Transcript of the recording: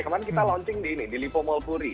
kemarin kita launching di lipo mall puri